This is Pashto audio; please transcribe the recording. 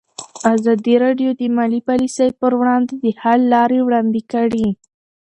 ازادي راډیو د مالي پالیسي پر وړاندې د حل لارې وړاندې کړي.